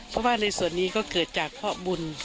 เพราะว่าในส่วนนี้ก็เกิดจากพ่อบุญ